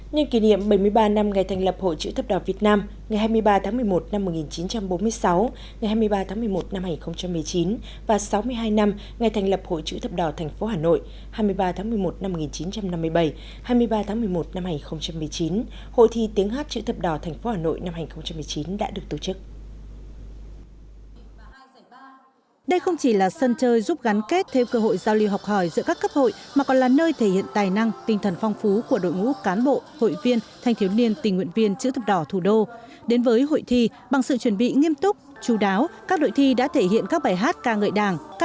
nhân kỷ niệm bảy mươi ba năm ngày thành lập hội chữ thập đỏ việt nam ngày hai mươi ba tháng một mươi một năm một nghìn chín trăm bốn mươi sáu ngày hai mươi ba tháng một mươi một năm hai nghìn một mươi chín và sáu mươi hai năm ngày thành lập hội chữ thập đỏ tp hà nội hai mươi ba tháng một mươi một năm một nghìn chín trăm năm mươi bảy hai mươi ba tháng một mươi một năm hai nghìn một mươi chín hội thi tiếng hát chữ thập đỏ tp hà nội năm hai nghìn một mươi chín đã được tổ chức